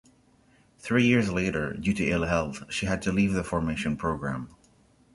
Three years later, due to ill health, she had to leave the formation program.